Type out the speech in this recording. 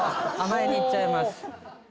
甘えに行っちゃいます。